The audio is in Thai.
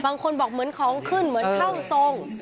บางคนบอกเหมือนของขึ้นเหมือนเข้าทรง